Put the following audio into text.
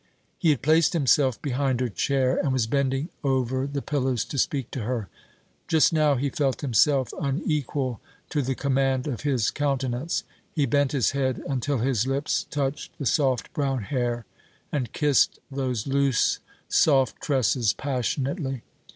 He had placed himself behind her chair, and was bending over the pillows to speak to her. Just now he felt himself unequal to the command of his countenance. He bent his head until his lips touched the soft brown hair, and kissed those loose soft tresses passionately.